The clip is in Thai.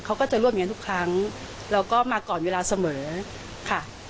เขาก็จะร่วมอย่างนั้นทุกครั้งแล้วก็มาก่อนเวลาเสมอค่ะ